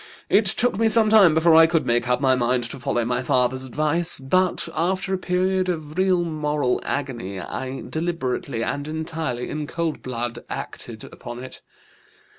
It took me some time before I could make up my mind to follow my father's advice, but after a period of real moral agony I deliberately and entirely in cold blood acted upon it.